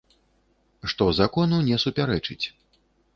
Што закону не супярэчыць.